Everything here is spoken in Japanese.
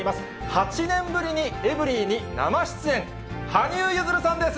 ８年ぶりにエブリィに生出演、羽生結弦さんです。